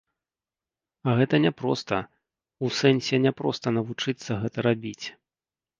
А гэта няпроста, у сэнсе няпроста навучыцца гэта рабіць.